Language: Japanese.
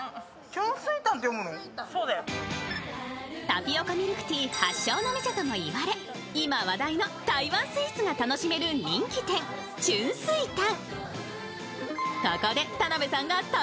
タピオカミルクティー発祥の店とも言われ今話題の台湾スイーツが楽しめる人気店、春水堂。